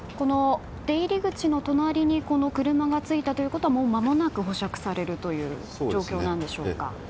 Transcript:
出入り口の隣に車がついたということはもうまもなく保釈されるのでしょうか。